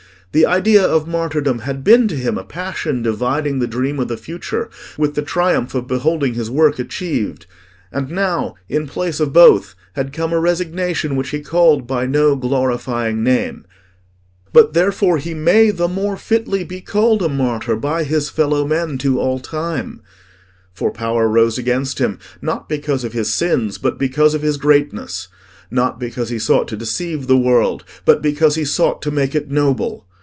The idea of martyrdom had been to him a passion dividing the dream of the future with the triumph of beholding his work achieved. And now, in place of both, had come a resignation which he called by no glorifying name. But therefore he may the more fitly be called a martyr by his fellow men to all time. For power rose against him not because of his sins, but because of his greatness—not because he sought to deceive the world, but because he sought to make it noble.